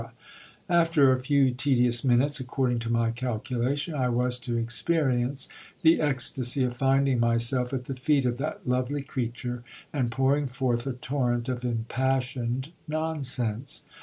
After a few tedious minutes, according to my calculation, I was to experience the ecstasy of finding myself at the feet of that lovely crea ture, and pouring forth a torrent of impassioned nonsense.